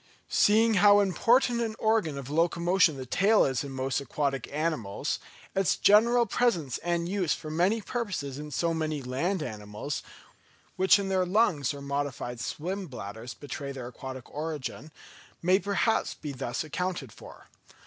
Seeing how important an organ of locomotion the tail is in most aquatic animals, its general presence and use for many purposes in so many land animals, which in their lungs or modified swim bladders betray their aquatic origin, may perhaps be thus accounted for.